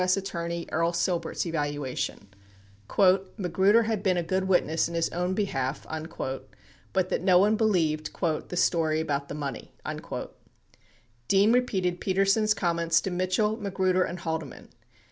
S. Attorney Earl Silbert's evaluation : "Magruder had been a good witness in his own behalf," but that no one believed "the story about the money." 15 Dean repeated Peter sen's comments to Mitchell, Magruder, and Haldeman.